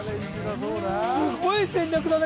どうだすごい戦略だね